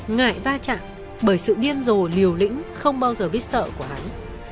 ngại va chạm bởi sự điên rồ liều lĩnh không bao giờ biết sợ của hắn